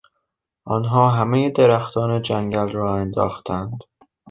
آنها همهی درختان جنگل را انداختند.